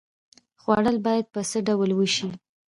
خوړل باید په څه ډول وشي؟